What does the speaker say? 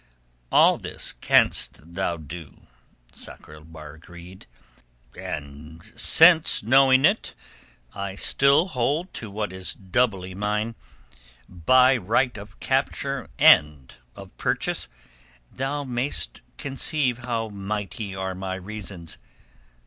"All this canst thou do," Sakr el Bahr agreed. "And since, knowing it, I still hold to what is doubly mine—by right of capture and of purchase—thou mayest conceive how mighty are my reasons.